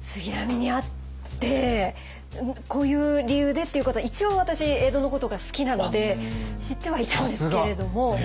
杉並にあってこういう理由でっていうことは一応私江戸のことが好きなので知ってはいたんですけれども。